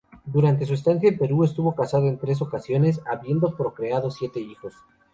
Durante su estancia en Perú estuvo casado en tres ocasiones habiendo procreado siete hijos.